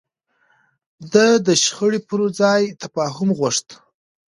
ده د شخړې پر ځای تفاهم غوښت.